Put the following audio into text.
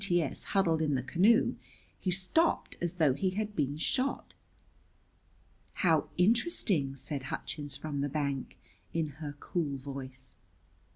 T.S. huddled in the canoe he stopped as though he had been shot. "How interesting!" said Hutchins from the bank, in her cool voice.